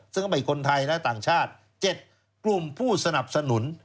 ซึ่งก็เป็นคนไทยนะต่างชาติ๗กลุ่มผู้สนับสนุน